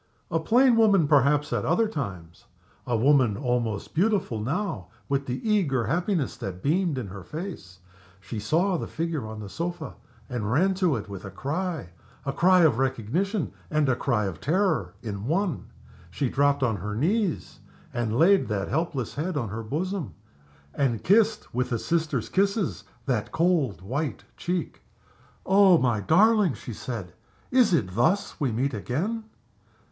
A plain woman, perhaps, at other times. A woman almost beautiful now, with the eager happiness that beamed in her face. She saw the figure on the sofa. She ran to it with a cry a cry of recognition and a cry of terror in one. She dropped on her knees and laid that helpless head on her bosom, and kissed, with a sister's kisses, that cold, white cheek. "Oh, my darling!" she said. "Is it thus we meet again?"